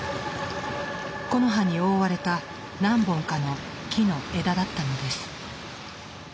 木の葉に覆われた何本かの木の枝だったのです。